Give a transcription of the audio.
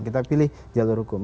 kita pilih jalur hukum